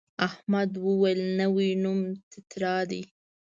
احمد وویل نوی نوم تتارا دی.